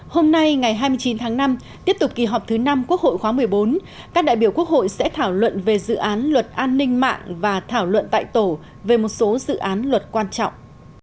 hôm nay ngày hai mươi chín tháng năm tiếp tục kỳ họp thứ năm quốc hội khóa một mươi bốn các đại biểu quốc hội sẽ thảo luận về dự án luật an ninh mạng và thảo luận tại tổ về một số dự án luật quan trọng